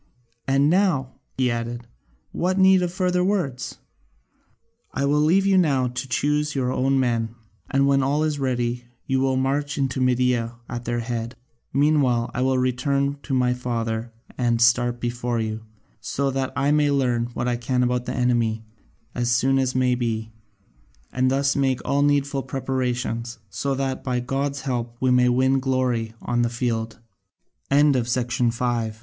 And now," he added, "what need of further words? I will leave you now to choose your own men, and when all is ready you will march into Media at their head. Meanwhile I will return to my father and start before you, so that I may learn what I can about the enemy as soon as may be, and thus make all needful preparations, so that by God's help we may win